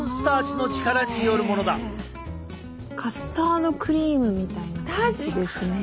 カスタードクリームみたいな感じですね。